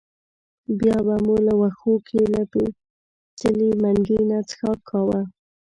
بیا به مو له وښو کې له پېچلي منګي نه څښاک کاوه.